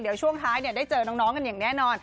เดี๋ยวช่วงท้ายได้เจอน้องกันอย่างแน่นอน